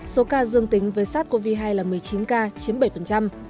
số ca dương tính với sars cov hai là một mươi chín ca chiếm bảy